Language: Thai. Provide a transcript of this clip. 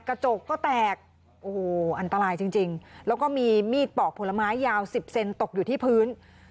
กระจกก็แตกโอ้โหอันตรายจริงแล้วก็มีมีดปอกผลไม้ยาวสิบเซนตกอยู่ที่พื้น